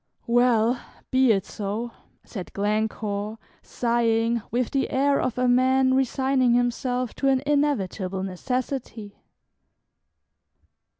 "Well, be it so," said Glencore, sighing, with the air of a man resigning himself to an inevitable necessity.